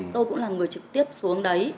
tôi cũng là người trực tiếp xuống đấy